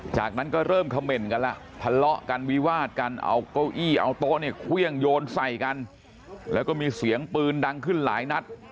จากนั้นก็เริ่มเขม่นกันแล้วทะเลาะกันวิวาดกันเอาเก้าอี้เอาโต๊ะเนี่ยเครื่องโยนใส่กันแล้วก็มีเสียงปืนดังขึ้นหลายนัด